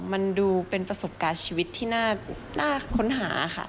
มันดูเป็นประสบการณ์ชีวิตที่น่าค้นหาค่ะ